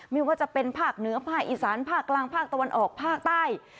ไม่ว่าจะเป็นภาคเหนือภาคอีสานภาคกลางภาคตะวันออกภาคใต้